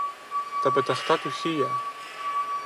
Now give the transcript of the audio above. Τα πεταχτά του χείλια;